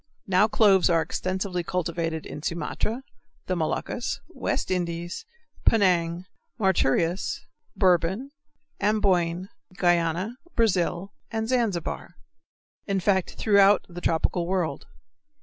Now cloves are extensively cultivated in Sumatra, the Moluccas, West Indies, Penang, Mauritius, Bourbon, Amboyne, Guiana, Brazil, and Zanzibar in fact throughout the tropical world.